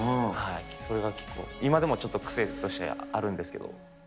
それが結構、今でもちょっと癖としてあるんですけど。